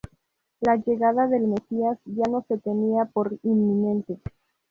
La llegada del mesías ya no se tenía por inminente.